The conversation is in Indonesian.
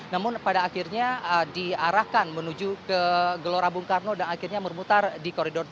namun pada akhirnya diarahkan menuju ke gelora bung karno dan akhirnya bermutar di koridor tiga